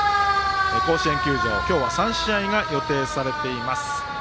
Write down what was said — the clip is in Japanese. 甲子園球場、今日は３試合が予定されています。